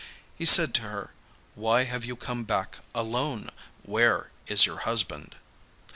He said to her, 'Why have you come back alone? Where is your husband?